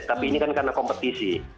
tapi ini kan karena kompetisi